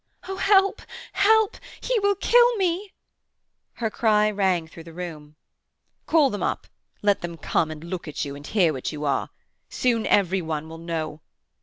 "Oh—help! help! He will kill me!" Her cry rang through the room. "Call them up—let them come and look at you and hear what you are. Soon enough every one will know.